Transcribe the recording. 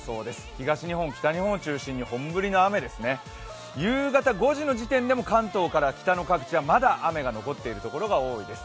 東日本、西日本を中心に本降りの雨ですね、夕方５時の時点でも関東から北の各地ではまだ雨が残っている所が多いです。